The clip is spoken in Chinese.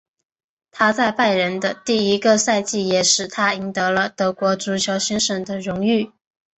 他在拜仁的第一个赛季也使他赢得了德国足球先生的荣誉。